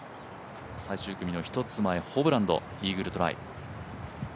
最終組の１つ前、ホブランドイーグルトライ。